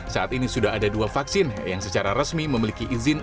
saat ini sudah ada dua vaksin yang secara resmi memiliki izin